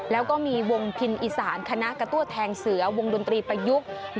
แล้วก็มีวงพินอีสานคณะกระตั้วแทงเสือวงดนตรีประยุกต์